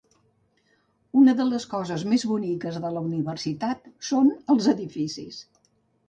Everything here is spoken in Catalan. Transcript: Una de les coses més boniques de la Universitat són els edificis.